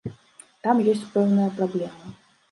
Там ёсць пэўныя праблемы.